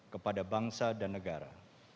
kepada bangsa dan negara